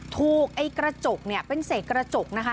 ถูกไอ้กระจกเนี่ยเป็นเศษกระจกนะคะ